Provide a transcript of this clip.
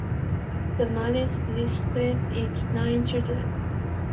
The marriage resulted in nine children.